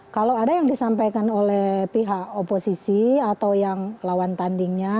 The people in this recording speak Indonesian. kalau ada yang disampaikan oleh pihak oposisi atau yang lawan tandingnya